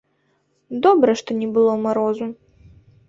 Добра, што не было марозу!